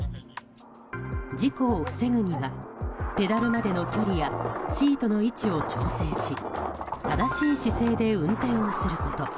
事故を防ぐにはペダルまでの距離やシートの位置を調整し正しい姿勢で運転をすること。